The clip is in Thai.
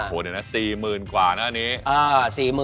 โหเดี๋ยวนะ๔๐๐๐๐กว่านะอันนี้